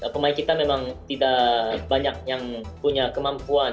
pemain kita memang tidak banyak yang punya kemampuan